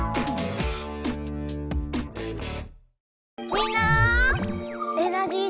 みんなエナジー